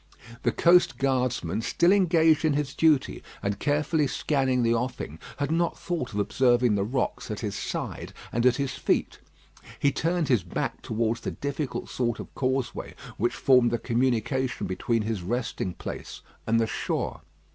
The coast guardman, still engaged in his duty, and carefully scanning the offing, had not thought of observing the rocks at his side and at his feet. He turned his back towards the difficult sort of causeway which formed the communication between his resting place and the shore.